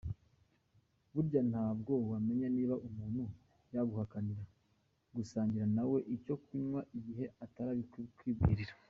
Burya ntabwo wamenya niba umuntu yaguhakanira gusangira nawe icyo kunywa igihe atarabikwibwirira.